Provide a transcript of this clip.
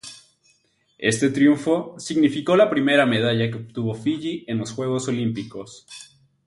Este triunfo significó la primera medalla que obtuvo Fiyi en los Juegos Olímpicos.